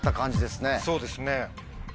そうですね。